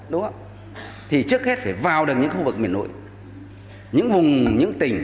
đúng không thì trước hết phải vào được những khu vực miền nội những vùng những tỉnh